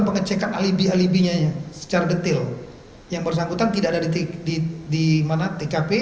mengecekkan alibi alibi nya secara detail yang bersangkutan tidak ada di titik di dimana tkp